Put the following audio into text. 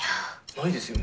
ないですよね？